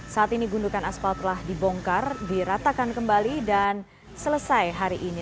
saat ini gundukan aspal telah dibongkar diratakan kembali dan selesai hari ini